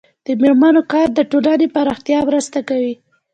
د میرمنو کار د ټولنې پراختیا مرسته کوي.